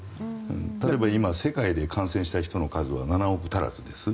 例えば、今、世界で感染した人の数は７億足らずです。